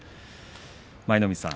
舞の海さん